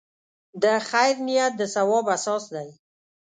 د خیر نیت د ثواب اساس دی.